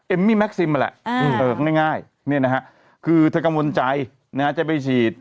เอ็มมี่แม็กซิมไว้ละเอิ่มง่ายนี่นะฮะคือถ้ากังวลใจนะจะไปฉีด